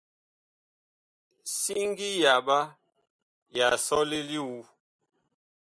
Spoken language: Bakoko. Siŋgi yaɓa ya sɔle li wu.